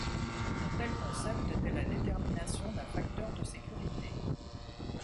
Un tel concept était la détermination d'un facteur de sécurité.